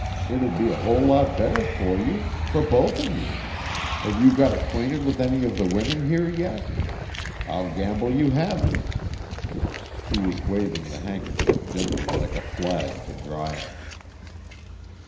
It'd be a whole lot better for you for both of you. Have you got acquainted with any of the women here yet? I'll gamble you haven't!" He was waving the handkerchief gently like a flag, to dry it.